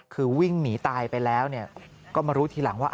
คือวิ่งหนีตายไปแล้วก็มารู้ทีหลังว่า